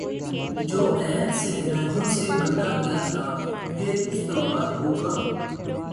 جو عہد صحرائیوں سے باندھا گیا تھا پر استوار ہوگا